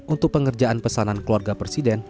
untuk pengerjaan pesanan keluarga presiden